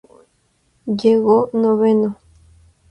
Llegó noveno.